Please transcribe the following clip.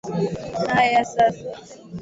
Kumbe wewe pia uko ndani.